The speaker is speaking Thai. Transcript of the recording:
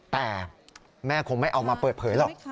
แต่แม่คงไม่เอามาเปิดเผยหรอก